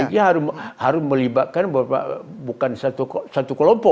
dia harus melibatkan bukan satu kelompok